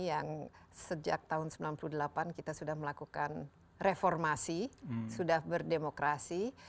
yang sejak tahun seribu sembilan ratus sembilan puluh delapan kita sudah melakukan reformasi sudah berdemokrasi